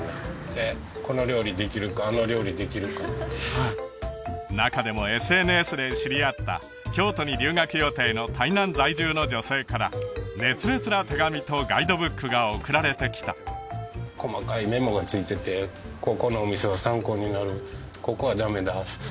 で「この料理できるかあの料理できるか」って中でもＳＮＳで知り合った京都に留学予定の台南在住の女性から熱烈な手紙とガイドブックが送られてきた細かいメモが付いてて「ここのお店は参考になるここはダメだ」